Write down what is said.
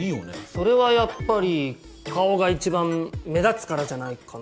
それはやっぱり顔が一番目立つからじゃないかな？